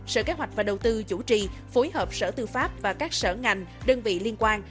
sở kế hoạch và đầu tư chủ trì phối hợp sở tư pháp và các sở ngành đơn vị liên quan